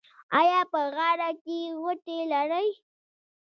ایا په غاړه کې غوټې لرئ؟